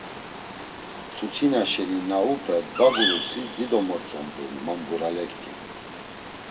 Mtutina şeni na upe dvagurusi dido motzondu mamguralekti.